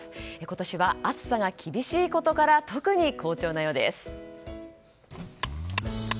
今年は暑さが厳しいことから特に好調なようです。